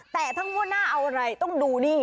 แต่ถ้างวดหน้าเอาอะไรต้องดูนี่